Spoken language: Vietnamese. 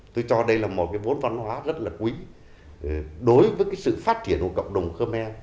tôi cho đây là một cái vốn văn hóa rất là quý đối với sự phát triển của cộng đồng khơ me